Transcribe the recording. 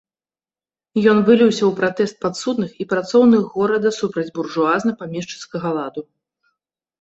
Ён выліўся ў пратэст падсудных і працоўных горада супраць буржуазна-памешчыцкага ладу.